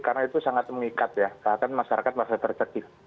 karena itu sangat mengikat ya bahkan masyarakat masih tercedih